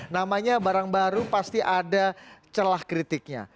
namanya barang baru pasti ada celah kritiknya